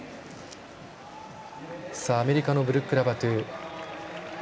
アメリカのブルック・ラバトゥ。